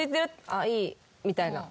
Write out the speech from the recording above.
「あっいい」みたいな。